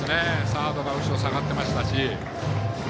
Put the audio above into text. サードが後ろに下がっていましたし。